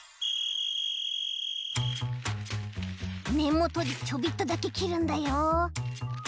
ねもとでちょびっとだけきるんだよ。